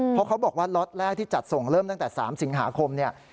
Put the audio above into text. เพราะเขาบอกว่าล็อตแรกที่จัดส่งเริ่มตั้งแต่๓สิงหาคมเนี่ย